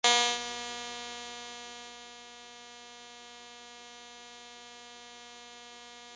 بىز يىل بېشىدىن ھازىرغىچە ھەر بىر كەنتكە ئىككى قېتىمدىن تۆت قېتىمغىچە بېرىپ لېكسىيە سۆزلىدۇق.